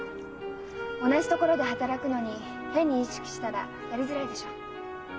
同じ所で働くのに変に意識したらやりづらいでしょ。